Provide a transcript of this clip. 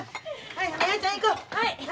はい。